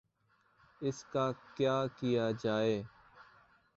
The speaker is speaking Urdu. اس کا کیا کیا جائے؟